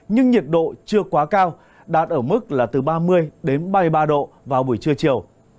nhưng nhiệt độ chưa quá cao đạt ở mức là từ ba mươi ba mươi ba độ vào buổi trưa chiều